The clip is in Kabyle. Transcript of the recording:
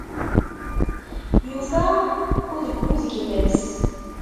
Yufa udebbuz gma-s.